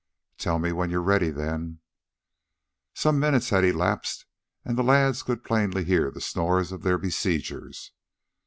"Tell me when you're ready, then." Some minutes had elapsed and the lads could plainly hear the snores of their besiegers.